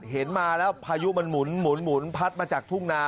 เห็นมาแล้วพายุมันหมุนพัดมาจากทุ่งนา